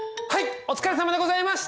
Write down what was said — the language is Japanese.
お疲れさまでございました！